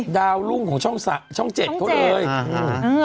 ดาวรุ่งของช่อง๗เขาเลย